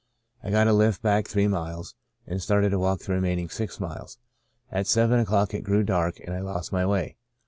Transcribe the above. I got a lift back three miles and started to walk the remaining six miles. At seven o'clock it grew dark and 1 lost my way.